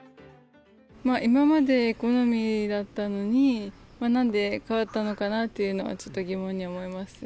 今までエコノミーだったのに、なんで変わったのかなっていうのは、ちょっと疑問に思います。